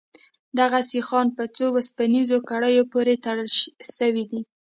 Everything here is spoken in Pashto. دغه سيخان په څو وسپنيزو کړيو پورې تړل سوي وو.